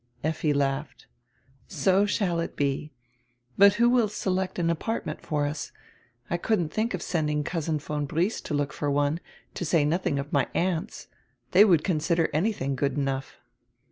Effi laughed. "So shall it be. But who will select an apartment for us? I couldn't think of sending Cousin von Briest to look for one, to say nothing of my aunts. They would consider anything good enough."